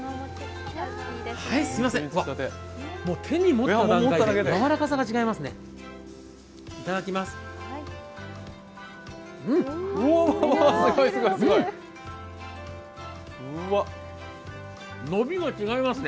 手に持っただけでやわらかさが違いますね。